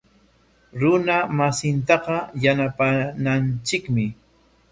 Runa masintaqa yanapananchikmi.